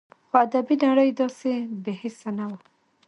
خو ادبي نړۍ داسې بې حسه نه وه